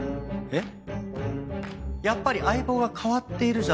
えっ？